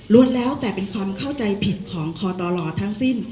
รวมแล้วแต่เป็นความเข้าใจผิดของคอตลทั้งสิ้น